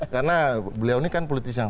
karena beliau ini kan politis yang